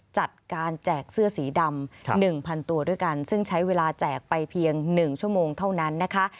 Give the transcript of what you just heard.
แจกเสื้อสีดำ๑๐๐ตัวด้วยกันซึ่งใช้เวลาแจกไปเพียง๑ชั่วโมงเท่านั้นนะคะ